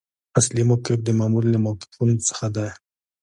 اصلي موقف د مامور له موقفونو څخه دی.